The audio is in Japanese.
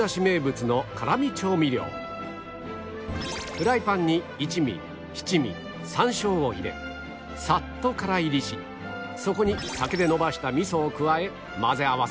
フライパンに一味七味山椒を入れさっとから煎りしそこに酒でのばした味噌を加え混ぜ合わせる